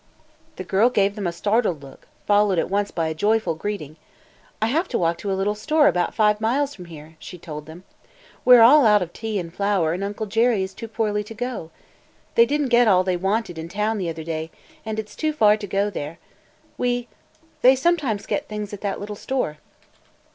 The girl gave them a startled look, followed at once by a joyful greeting, "I have to walk to a little store about five miles from here," she told them. "We 're all out of tea and flour and Uncle Jerry is too poorly to go. They did n't get all they wanted in town the other day and it 's too far to go there. We – they sometimes get things at that little store."